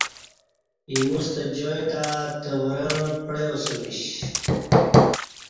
ایموستہ جای تہ تورں پعیسمیش۔